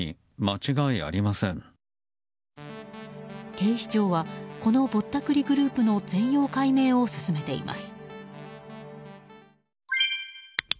警視庁はこのぼったくりグループの全容解明を進めています。